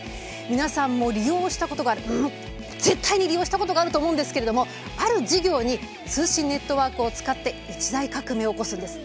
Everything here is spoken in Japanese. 皆さんも利用したことがある絶対に利用したことがあると思うんですけれどもある事業に通信ネットワークを使って一大革命を起こすんです。